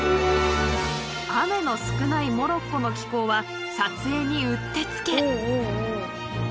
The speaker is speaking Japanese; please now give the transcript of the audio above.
雨の少ないモロッコの気候は撮影にうってつけ。